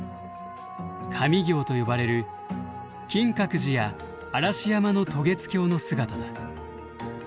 上京と呼ばれる金閣寺や嵐山の渡月橋の姿だ。